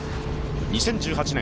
２０１８年